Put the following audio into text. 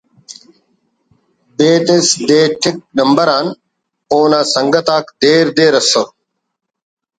بیدس ”دے ٹک number on“ اونا سنگت آک دیر دیر ئسر